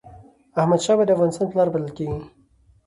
احمد شاه بابا د افغانستان پلار بلل کېږي.